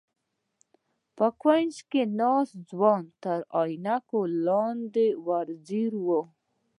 په کونج کې ناست ځوان تر عينکو لاندې ور ځير و.